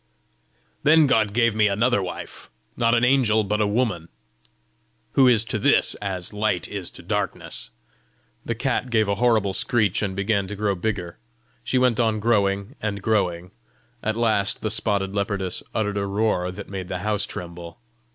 "Then God gave me another wife not an angel but a woman who is to this as light is to darkness." The cat gave a horrible screech, and began to grow bigger. She went on growing and growing. At last the spotted leopardess uttered a roar that made the house tremble.